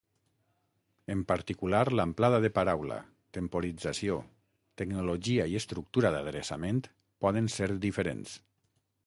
En particular l'amplada de paraula, temporització, tecnologia i estructura d'adreçament poden ser diferents.